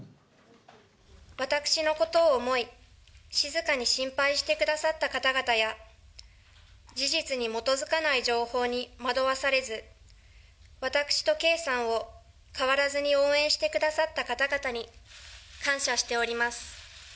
私のことを思い、静かに心配してくださった方々や、事実に基づかない情報に惑わされず、私と圭さんを変わらずに応援してくださった方々に感謝しております。